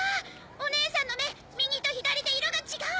おねえさんの目右と左で色が違う！